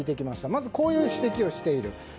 まず、こういう指摘をしている。